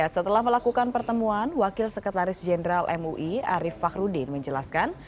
setelah melakukan pertemuan wakil sekretaris jenderal mui arief fakhrudin menjelaskan